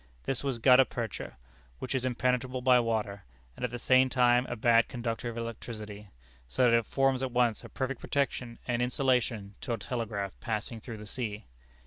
This was gutta percha, which is impenetrable by water, and at the same time a bad conductor of electricity; so that it forms at once a perfect protection and insulation to a telegraph passing through the sea.